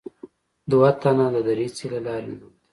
دوه تنه د دريڅې له لارې ننوتل.